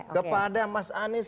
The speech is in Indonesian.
kepada mas anies